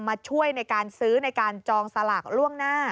มาช่วยในการซื้อในการจองสลากล่วงหน้า